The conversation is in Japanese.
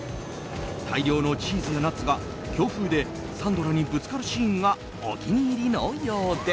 大量のチーズやナッツが強風でサンドラにぶつかるシーンがお気に入りのようで。